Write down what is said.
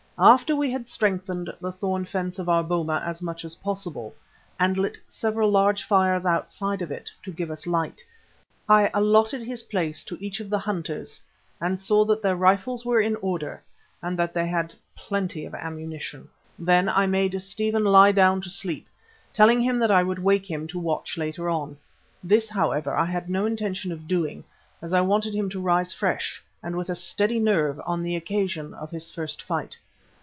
After we had strengthened the thorn fence of our boma as much as possible and lit several large fires outside of it to give us light, I allotted his place to each of the hunters and saw that their rifles were in order and that they had plenty of ammunition. Then I made Stephen lie down to sleep, telling him that I would wake him to watch later on. This, however, I had no intention of doing as I wanted him to rise fresh and with a steady nerve on the occasion of his first fight.